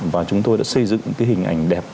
và chúng tôi đã xây dựng cái hình ảnh đẹp